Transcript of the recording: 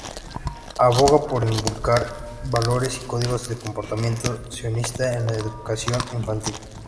Aboga por inculcar valores y códigos de comportamiento sionistas en la educación infantil.